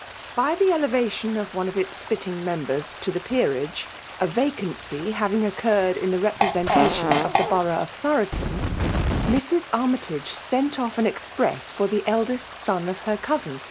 By the elevation of one of its sitr ting members to the peerage, a vacancy having oeeurred in the representation of the borough of Thoroton, Mrs. Armytage tent off an ex press fixr Abe eldest son. of her cousin.